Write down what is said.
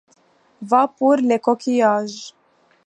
Va pour les coquillages !